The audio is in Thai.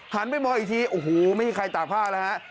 ไปมองอีกทีโอ้โหไม่มีใครตากผ้าแล้วฮะ